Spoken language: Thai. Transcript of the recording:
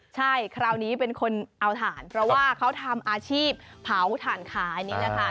ใช่คราวนี้เป็นคนเอาถ่านเพราะว่าเขาทำอาชีพเผาถ่านขายนี่แหละค่ะ